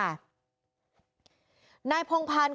นายพงพันธ์